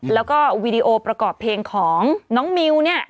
แล้วก็วีดีโอประกอบเพลงของน้องมิวเนี่ย